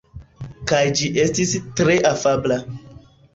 Kaj ĝi estis tre afabla.